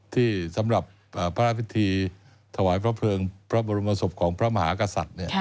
ที่สำหรับพระราชพิธีถวายพระเพลิงพระบรมศพของพระมหากษัตริย์